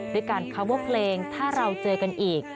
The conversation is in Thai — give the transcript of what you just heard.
ด้วยการคาเวอร์เพลงถ้าเราเจอกันอีก